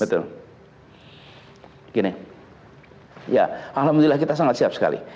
betul gini ya alhamdulillah kita sangat siap sekali